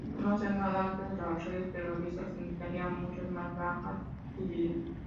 No hacer nada ante las redes terroristas, invitaría a muchas más bajas civiles".